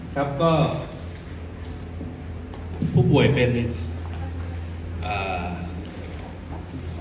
ครับก็ผู้ป่วยเป็นอ่า